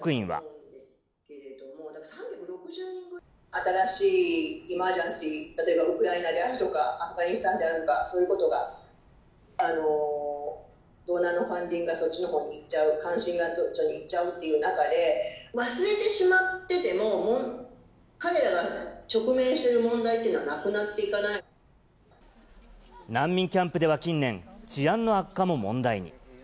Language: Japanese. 新しいエマージェンシー、例えばウクライナであるとか、アフガニスタンであるとか、そういうことが、ドナーの関心がそっちのほうにいっちゃうっていう中で、忘れてしまってても、彼らが直面している問題っていうのは、なくなってい難民キャンプでは近年、治安の悪化も問題に。